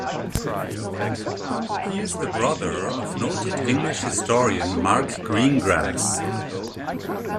He is the brother of noted English historian Mark Greengrass.